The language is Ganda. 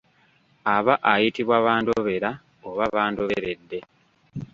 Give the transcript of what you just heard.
Aba ayitibwa bandobera oba bandoberedde.